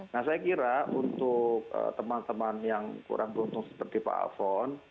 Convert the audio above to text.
nah saya kira untuk teman teman yang kurang beruntung seperti pak alfon